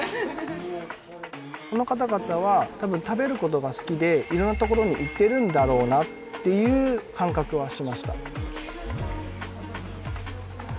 この方々は多分食べることが好きでいろんなところに行ってるんだろうなっていう感覚はしました